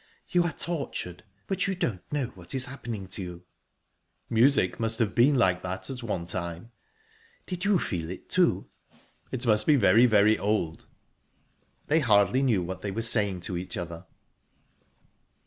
"You are tortured, but you don't know what is happening to you." "Music must have been like that at one time." "Did you feel it, too?" "It must be very, very old."...They hardly knew what they were saying to each other.